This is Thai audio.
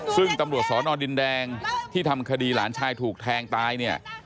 ซึ่งตำรวจสอนอดินแดงที่ทำคดีหลานชายถูกแทงตายเนี่ย